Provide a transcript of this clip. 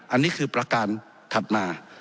อันนี้คือประการถัดมา